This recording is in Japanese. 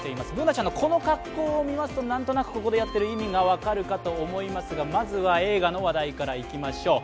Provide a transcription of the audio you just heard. Ｂｏｏｎａちゃんのこの格好を見ますと何となくここでやっている意味が分かるかと思いますが、まずは映画の話題からいきましょう。